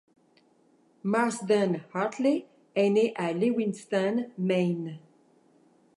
Marsden Hartley est né à Lewiston, Maine.